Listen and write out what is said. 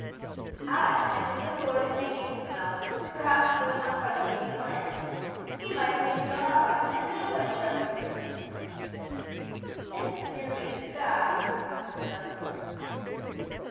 "Ay, and the good Lord is making him well perhaps though not by the way you planned. He might a been killed outright, and then what a trouble you'd have been in." "This is nearly as bad," muttered Dudley.